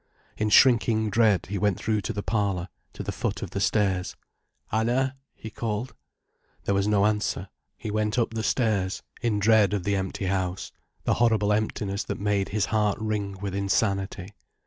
In shrinking dread, he went through to the parlour, to the foot of the stairs. "Anna," he called. There was no answer. He went up the stairs, in dread of the empty house—the horrible emptiness that made his heart ring with insanity.